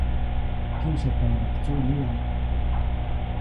Kyäsyapaʼuŋnaʼak tsuʼnidaʼm.